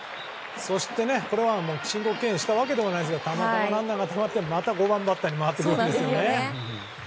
そして、ここは申告敬遠をしたわけではないですがたまたまランナーがたまってまた５番バッターに回ると。